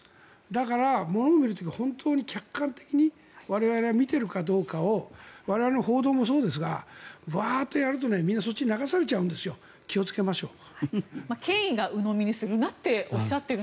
だから、物を見る時本当に客観的に我々は見ているかどうかを我々の報道もそうですがウワッとやるとみんなそっちに流されるので気をつけましょう。